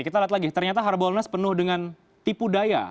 kita lihat lagi ternyata harbolnas penuh dengan tipu daya